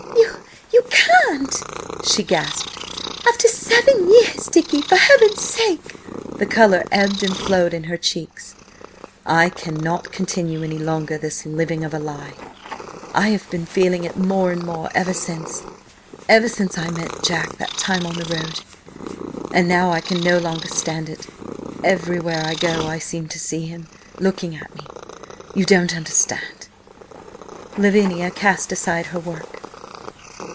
"You–you can't!" she gasped. "After seven years! Dicky, for heaven's sake—!" The colour ebbed and flowed in her cheeks. "I cannot continue any longer this living of a lie–I have been feeling it more and more ever since–ever since I met–Jack–that time on the road. And now I can no longer stand it. Everywhere I go I seem to see him–looking at me–you don't understand—" Lavinia cast aside her work.